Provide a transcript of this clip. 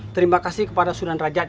terima kasih kepada sunan raja